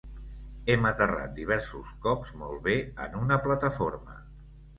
Hem aterrat diversos cops molt bé en una plataforma.